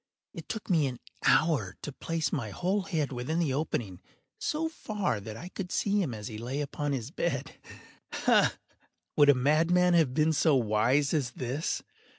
It took me an hour to place my whole head within the opening so far that I could see him as he lay upon his bed. Ha!—would a madman have been so wise as this?